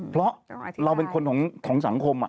เพราะเราเป็นคนของสังคม